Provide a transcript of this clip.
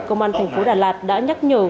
công an tp đà lạt đã nhắc nhở